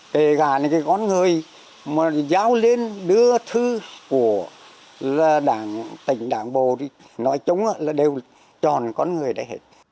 kể cả cái con người mà giao lên đưa thư của tỉnh đảng bộ đi nói chung là đều tròn con người đấy hết